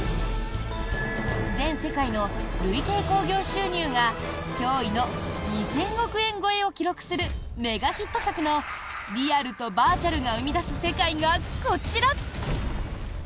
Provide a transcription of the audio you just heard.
全世界の累計興行収入が驚異の２０００億円超えを記録するメガヒット作のリアルとバーチャルが生み出す世界がこちら！